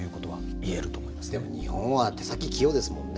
でも日本は手先器用ですもんね。